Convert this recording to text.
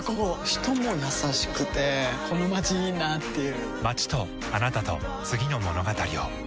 人も優しくてこのまちいいなぁっていう